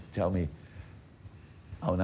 จะบอกว่า